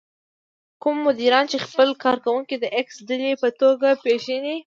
کوم مديران چې خپل کار کوونکي د ايکس ډلې په توګه پېژني.